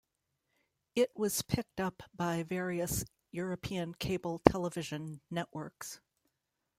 It was picked up by various European cable television networks.